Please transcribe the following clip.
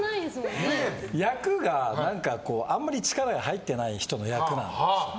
役があんまり力が入ってない人の役なんですよ。